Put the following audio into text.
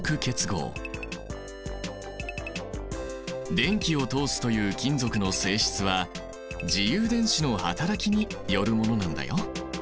電気を通すという金属の性質は自由電子の働きによるものなんだよ。